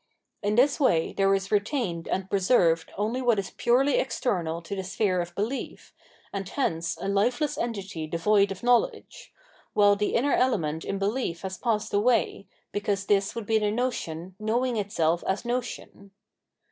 In this way there is retained and preserved only what is purely external to the sphere of belief, and hence a lifeless entity devoid of knowledge ; while the inner element in behef has passed away, because this would be the notion knowing itself as notion.